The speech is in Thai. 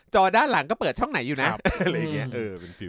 ด้านหลังก็เปิดช่องไหนอยู่นะอะไรอย่างนี้